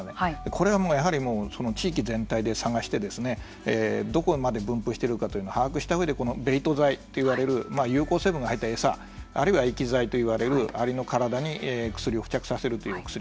これがやはり地域全体で探してどこまで分布しているのかを把握したうえでベイト剤といわれる有効成分が入った餌液剤といわれるアリの体に薬を付着させる薬